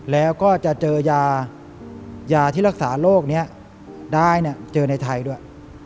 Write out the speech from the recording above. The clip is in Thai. แล้วก็จะเจอยายาที่รักษาโรคนี้ได้เจอในไทยด้วย